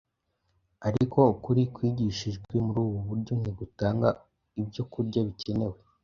ariko ukuri kwigishijwe muri ubu buryo ntigutanga ibyo kurya bikenewe